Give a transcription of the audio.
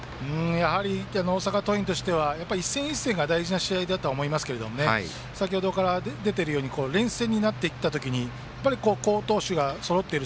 やはり、大阪桐蔭としては一戦一戦が大事な試合だと思いますが先程から出ているように連戦になっていった時に好投手がそろっている。